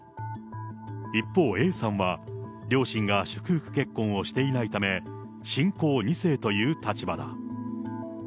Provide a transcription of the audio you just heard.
一方、Ａさんは、両親が祝福結婚をしていないため、信仰２世という立場だ。